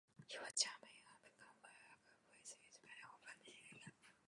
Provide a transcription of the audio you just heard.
He was charming and became well-acquainted with his patients over many years.